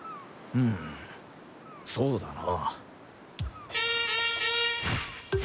んそうだな。